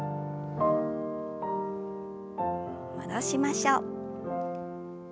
戻しましょう。